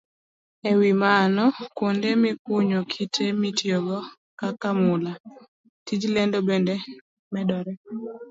E wi mano, kuonde mikunyoe kite mitiyogo kaka mula, tij lendo bende medore.